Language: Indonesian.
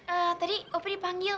eh tadi opi dipanggil